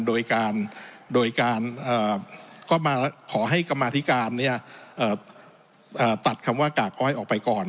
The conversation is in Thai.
โดยการก็มาขอให้กรรมาธิการตัดคำว่ากากอ้อยออกไปก่อน